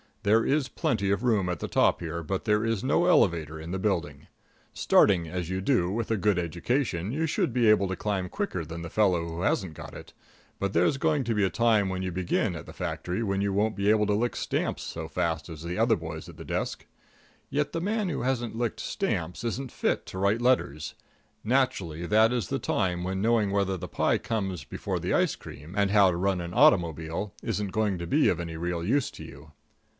There is plenty of room at the top here, but there is no elevator in the building. Starting, as you do, with a good education, you should be able to climb quicker than the fellow who hasn't got it; but there's going to be a time when you begin at the factory when you won't be able to lick stamps so fast as the other boys at the desk. Yet the man who hasn't licked stamps isn't fit to write letters. Naturally, that is the time when knowing whether the pie comes before the ice cream, and how to run an automobile isn't going to be of any real use to you.